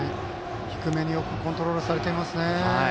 低めによくコントロールされていますね。